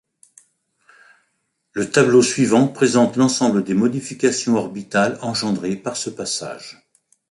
Le tableau suivant présente l'ensemble des modifications orbitales engendrées par ce passage.